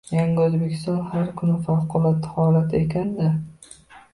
Yangi Oʻzbekistonda har kuni favqulodda holat ekanda?